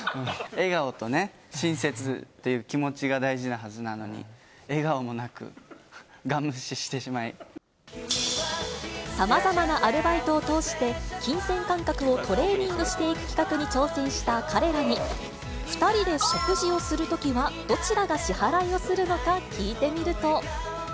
笑顔とね、親切っていう気持ちが大事なはずなのに、笑顔もなく、さまざまなアルバイトを通して、金銭感覚をトレーニングしていく企画に挑戦した彼らに、２人で食事をするときは、どちらが支払いをするのか聞いてみると。